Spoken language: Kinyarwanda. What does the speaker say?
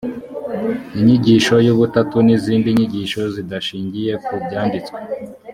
inyigisho y’ubutatu n’izindi nyigisho zidashingiye ku byanditswe